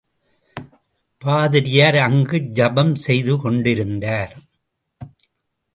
பாதிரியார் அங்கு ஜபம் செய்துகொண்டிருந்தார்.